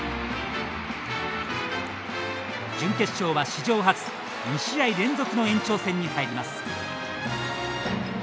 準決勝は史上初２試合連続の延長戦に入ります。